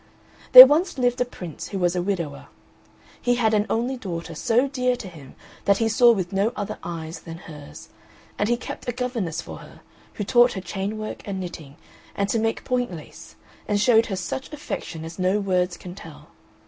There once lived a Prince, who was a widower. He had an only daughter, so dear to him that he saw with no other eyes than hers; and he kept a governess for her, who taught her chain work and knitting, and to make point lace, and showed her such affection as no words can tell.